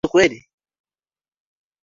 Alosi ni kijana mzuri